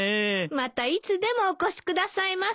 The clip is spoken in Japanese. またいつでもお越しくださいませ。